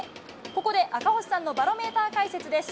ここで赤星さんのバロメーター解説です。